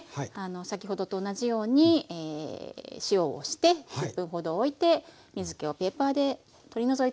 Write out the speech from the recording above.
先ほどと同じように塩をして１０分ほどおいて水けをペーパーで取り除いたものです。